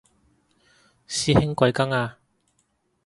師兄貴庚啊